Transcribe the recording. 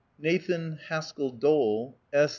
Nathan Haskell Dole. S. S.